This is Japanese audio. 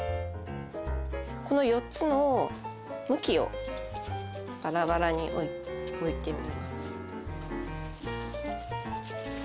この４つの向きをバラバラに置いてみます。